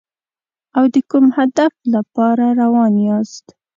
او د کوم هدف لپاره روان یاست.